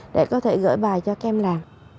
để có thể gửi bài cho các em làm